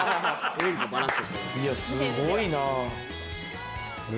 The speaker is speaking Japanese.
すごいな。